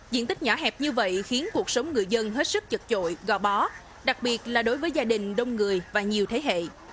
diện tích nhỏ hẹp như vậy khiến cuộc sống người dân hết sức chật chội gò bó đặc biệt là đối với gia đình đông người và nhiều thế hệ